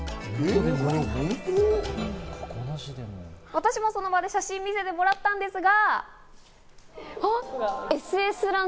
私もその場で写真を見せてもらったんですが。